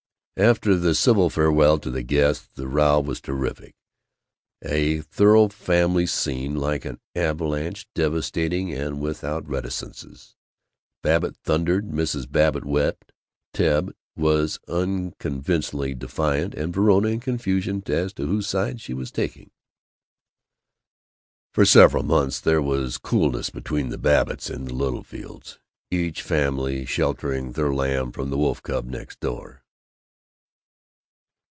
After the civil farewell to the guests, the row was terrific, a thorough Family Scene, like an avalanche, devastating and without reticences. Babbitt thundered, Mrs. Babbitt wept, Ted was unconvincingly defiant, and Verona in confusion as to whose side she was taking. For several months there was coolness between the Babbitts and the Littlefields, each family sheltering their lamb from the wolf cub next door.